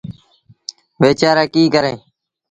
ويچآرآ ڪيٚ ڪريݩ۔